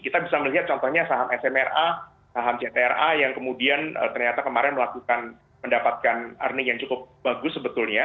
kita bisa melihat contohnya saham smra saham ctra yang kemudian ternyata kemarin melakukan mendapatkan earning yang cukup bagus sebetulnya